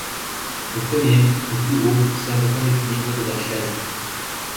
Le premier, le plus gros, sert de point d’équilibre de la chaise.